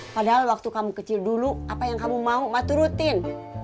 padahal waktu kamu kecil dulu apa yang kamu mau matur rutin